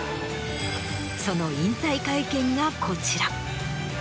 その引退会見がこちら。